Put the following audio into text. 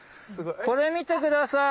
これ見て下さい！